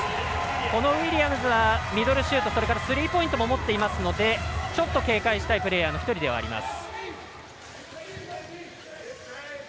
このウィリアムズはミドルシュートとそれからスリーポイントも持っていますのでちょっと警戒したいプレーヤーの１人でもあります。